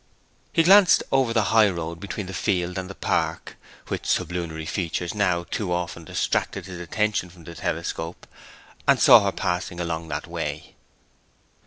He glanced over the high road between the field and the park (which sublunary features now too often distracted his attention from his telescope), and saw her passing along that way.